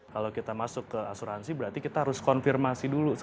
kalau kita masuk ke asuransi berarti kita harus konfirmasi dulu